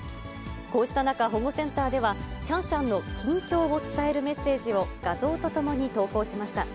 こうした中、保護センターでは、シャンシャンの近況を伝えるメッセージを画像とともに投稿しました。